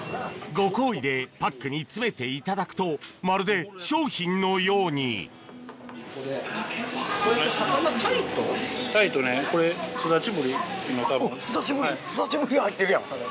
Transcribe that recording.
ご厚意でパックに詰めていただくとまるで商品のようにすだちぶり入ってるやん！